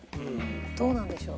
どうなんでしょう？